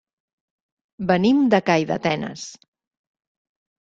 Venim de Calldetenes.